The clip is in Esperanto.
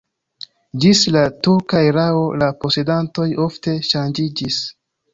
Ĝis la turka erao la posedantoj ofte ŝanĝiĝis.